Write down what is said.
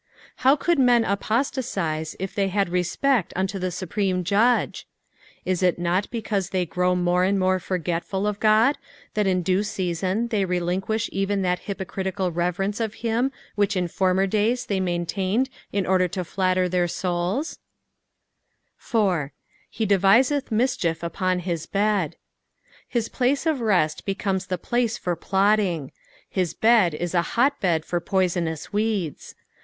How could men apostatise if they had respect unto the supreme Judge ? Is it nut because thuy grow more and more forgetful of God, that in due season they relinquish even that hypocritical reverence of him which in former dajs they maintiuned in order to flatter their souls 9 4, " Be dmiteth mUchi^ upon hit ted." His place of rest becomes the place tor plotting. His bed is a hot bed for poisonous weeds.